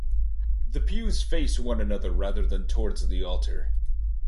The pews face one another rather than towards the altar.